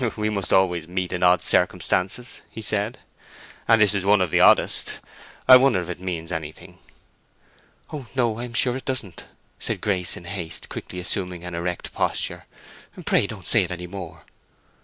"We must always meet in odd circumstances," he said; "and this is one of the oddest. I wonder if it means anything?" "Oh no, I am sure it doesn't," said Grace in haste, quickly assuming an erect posture. "Pray don't say it any more."